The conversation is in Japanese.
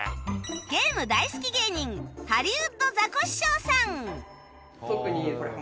ゲーム大好き芸人ハリウッドザコシショウさん